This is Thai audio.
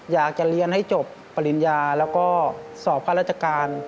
อยากจะเรียนให้จบปริญญาแล้วก็สอบข้าราชการ